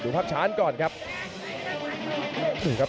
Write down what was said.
ภาพช้านก่อนครับ